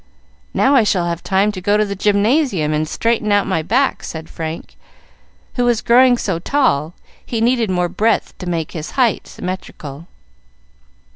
"Now I shall have time to go to the Gymnasium and straighten out my back," said Frank, who was growing so tall he needed more breadth to make his height symmetrical.